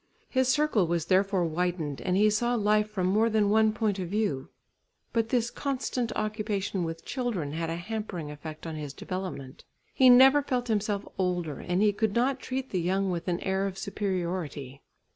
His circle was therefore widened, and he saw life from more than one point of view. But this constant occupation with children had a hampering effect on his development. He never felt himself older, and he could not treat the young with an air of superiority.